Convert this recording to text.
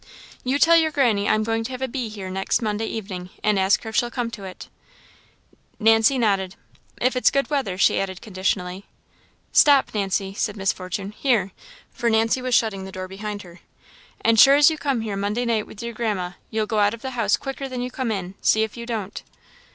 "You tell your granny I am going to have a bee here next Monday evening, and ask her if she'll come to it." Nancy nodded. "If it's good weather," she added, conditionally. "Stop, Nancy!" said Miss Fortune "here!" for Nancy was shutting the door behind her. "As sure as you come here Monday night without your grandma, you'll go out of the house quicker than you come in; see if you don't!"